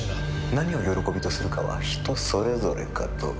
何を喜びとするかは人それぞれかと。